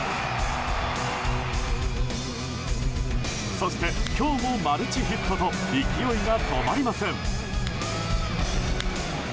そして今日もマルチヒットと勢いが止まりません。